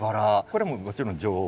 これももちろん丈夫。